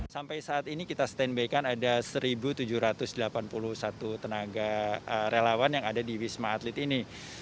sampai saat ini kita stand by kan ada satu tujuh ratus delapan puluh satu tenaga relawan yang ada di wisma atlet ini